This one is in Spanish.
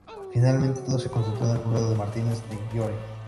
Finalmente, todo se concentró en el juzgado de Martínez de Giorgi.